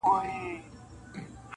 رنګ به د پانوس نه وي تیاره به وي-